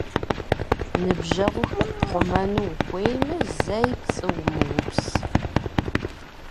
Ныбжьэгъугъэр пхъумэну ухуеймэ, зэи пцӏы умыупс.